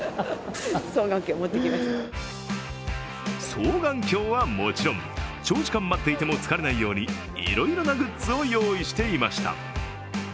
双眼鏡はもちろん、長時間待っていても疲れないようにいろいろなグッズを用意していました。